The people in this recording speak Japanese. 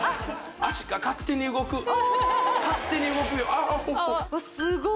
脚が勝手に動く勝手に動くよすごっ